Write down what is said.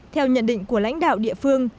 theo nhận định của lãnh đạo địa phương